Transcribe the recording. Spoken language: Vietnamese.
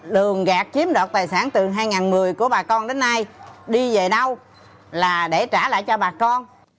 đường gạt chiếm đoạt tài sản từ hai nghìn một mươi của bà con đến nay đi về đâu là để trả lại cho bà con